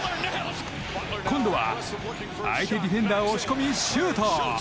今度は相手ディフェンダーを押し込み、シュート。